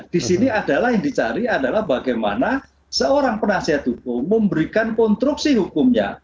di sini adalah yang dicari adalah bagaimana seorang penasihat hukum memberikan konstruksi hukumnya